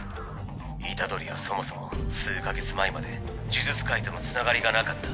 虎杖はそもそも数か月前まで呪術界とのつながりがなかった。